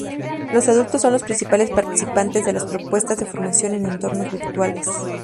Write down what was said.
Los adultos son los principales participantes de las propuestas de formación en entornos virtuales.